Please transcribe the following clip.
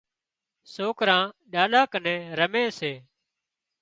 سوڪران ڏاڏا ڪنين رمي سي